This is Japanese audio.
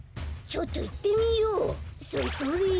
ちょっといってみよう。